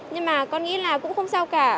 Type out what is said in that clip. nhưng mà con nghĩ là cũng không sao cả